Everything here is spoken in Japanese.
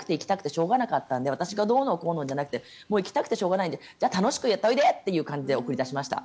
しょうがなかったので私がどうのこうのじゃなくて本人が行きたいのでじゃあ、楽しくやっておいでという感じで送り出しました。